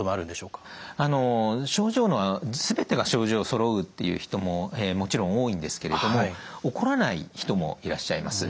症状の全てが症状そろうっていう人ももちろん多いんですけれども起こらない人もいらっしゃいます。